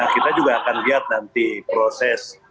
kita juga akan lihat nanti proses